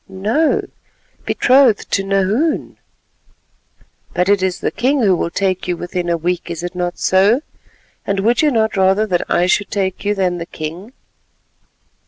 "No, betrothed to Nahoon." "But it is the king who will take you within a week; is it not so? And would you not rather that I should take you than the king?"